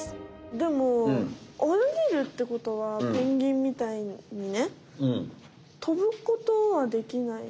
でも泳げるってことはペンギンみたいにね飛ぶことはできない？